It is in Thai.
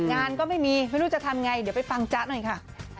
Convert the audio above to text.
งานก็ไม่มีไม่รู้จะทำไงเดี๋ยวไปฟังจ๊ะหน่อยค่ะ